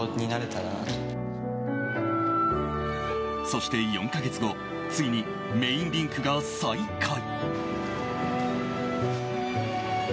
そして４か月後ついにメインリンクが再開。